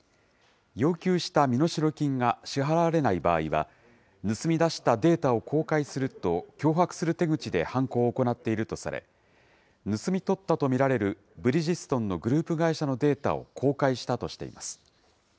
要求した身代金が支払われない場合は、盗み出したデータを公開すると、脅迫する手口で犯行を行っているとされ、盗み取ったと見られるブリヂストンのグループ会社のデータを公開したとしています。